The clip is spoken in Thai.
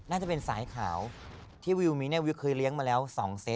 น่าจะเป็นสายขาวที่วิวนี้เนี่ยวิวเคยเลี้ยงมาแล้ว๒เซต